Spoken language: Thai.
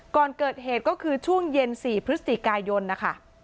ก่อนเกิดเหตุก็คือช่วงเย็น๔พฤศจิกายนนะคะ